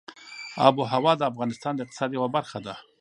آب وهوا د افغانستان د اقتصاد یوه برخه ده.